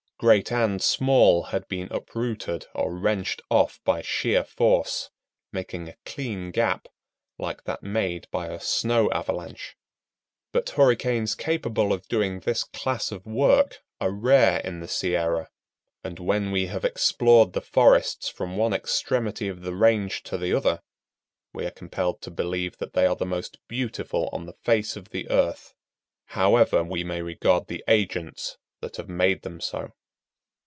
Great and small had been uprooted or wrenched off by sheer force, making a clean gap, like that made by a snow avalanche. But hurricanes capable of doing this class of work are rare in the Sierra, and when we have explored the forests from one extremity of the range to the other, we are compelled to believe that they are the most beautiful on the face of the earth, however we may regard the agents that have made them so.